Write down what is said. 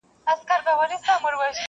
دا تر ټولو بې حیاوو بې حیا دی،